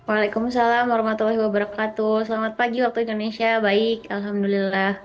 assalamualaikum wr wb selamat pagi waktu indonesia baik alhamdulillah